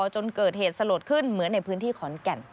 จนเกิดเหตุสลดขึ้นเหมือนในพื้นที่ขอนแก่น